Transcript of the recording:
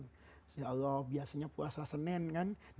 insya allah biasanya puasa senin kan